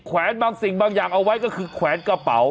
แวนบางสิ่งบางอย่างเอาไว้ก็คือแขวนกระเป๋า